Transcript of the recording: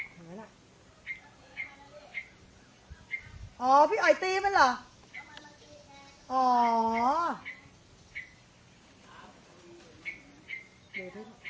เห็นไหมแหละอ๋อพี่ไอตีมันเหรออ๋อ